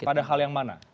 pada hal yang mana